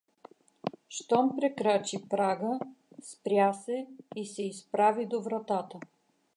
Щом прекрачи прага, спря се и се изправи до вратата.